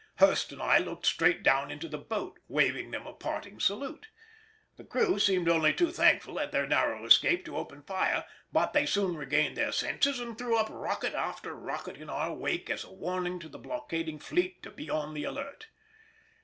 Hurst and I looked straight down into the boat, waving them a parting salute. The crew seemed only too thankful at their narrow escape to open fire, but they soon regained their senses and threw up rocket after rocket in our wake as a warning to the blockading fleet to be on the alert.